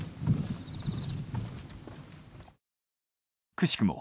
くしくも